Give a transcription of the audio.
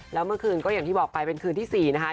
แล้วเมื่อคืนก็อย่างที่บอกไปเป็นคืนที่๔นะคะ